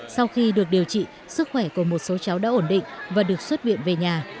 sau khi được điều trị sức khỏe của một số cháu đã ổn định và được xuất viện về nhà